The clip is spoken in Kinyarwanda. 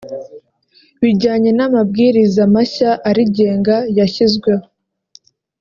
bijyanye n’amabwiriza mashya arigenga yashyizweho